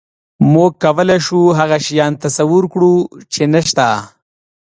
موږ کولی شو هغه شیان تصور کړو، چې نهشته.